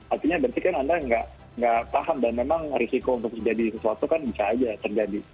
artinya berarti kan anda nggak paham dan memang risiko untuk terjadi sesuatu kan bisa saja terjadi